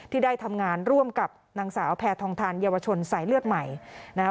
ที่ได้ทำงานร่วมกับนางสาวแพทองทานเยาวชนสายเลือดใหม่นะคะ